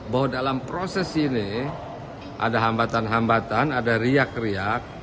bahwa dalam proses ini ada hambatan hambatan ada riak riak